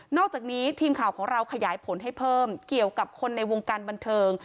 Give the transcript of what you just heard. อกจากนี้ทีมข่าวของเราขยายผลให้เพิ่มเกี่ยวกับคนในวงการบันเทิง